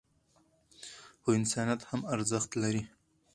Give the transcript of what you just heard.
خو انسانیت هم ارزښت لري.